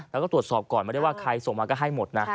แล้วก็ตรวจสอบก่อนไม่ได้ว่าใครส่งมาก็ให้หมดนะ